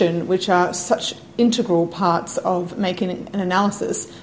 yang adalah bagian integral dalam menjalani analisis